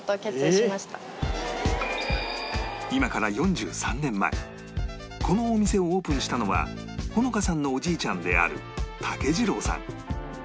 今から４３年前このお店をオープンしたのは穂乃花さんのおじいちゃんである武次郎さん